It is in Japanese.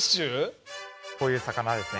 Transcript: こういう魚ですね。